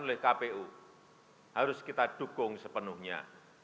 oleh kpu harus kita dukung sepenuhnya